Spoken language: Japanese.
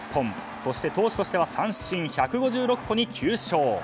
そして投手としては３審１５６個に９勝。